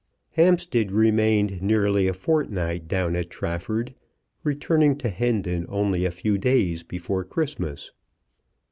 Hampstead remained nearly a fortnight down at Trafford, returning to Hendon only a few days before Christmas.